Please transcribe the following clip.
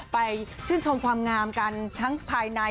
ชื่นชมความงามกันทั้งภายใน